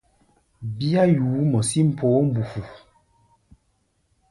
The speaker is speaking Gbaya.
Bíá yuú mɔ sí poó mbufu.